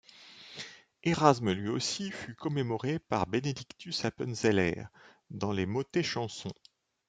Érasme, lui aussi, fut commémoré par Benedictus Appenzeller dans le motet-chanson '.